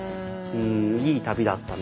いい旅だったな。